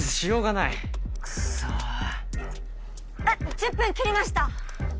１０分切りました！